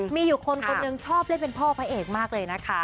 มีอยู่คนคนหนึ่งชอบเล่นเป็นพ่อพระเอกมากเลยนะคะ